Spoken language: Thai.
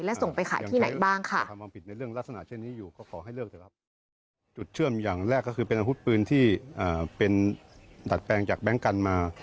และส่งไปขายที่ไหนบ้างค่ะ